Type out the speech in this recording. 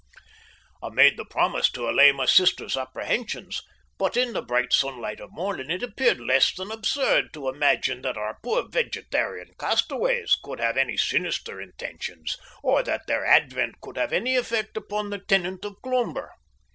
I made the promise to allay my sister's apprehensions, but in the bright sunlight of morning it appeared less than absurd to imagine that our poor vegetarian castaways could have any sinister intentions, or that their advent could have any effect upon the tenant of Cloomber.